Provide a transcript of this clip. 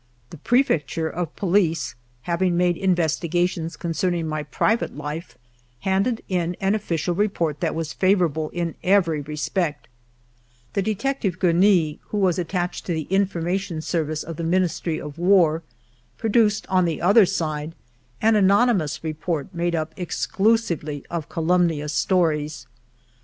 The Prefecture of Police, having made investigations concerning my private life, handed in an official report that was favorable in every respect ; the detective, Guenee, who was attached to the Information Service of the Min istry of War, produced, on the other side, an anonymous report made up exclusively of ca lumnious stories.